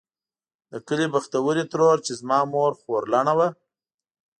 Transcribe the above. د کلي بختورې ترور چې زما مور خورلڼه وه.